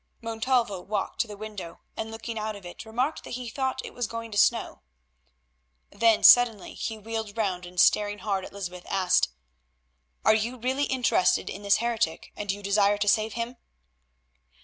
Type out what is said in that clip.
Montalvo walked to the window, and looking out of it remarked that he thought it was going to snow. Then suddenly he wheeled round, and staring hard at Lysbeth asked, "Are you really interested in this heretic, and do you desire to save him?"